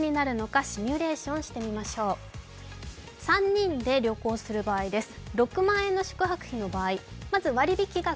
３人で旅行する場合です。